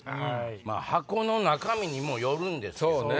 箱の中身にもよるんですけどね。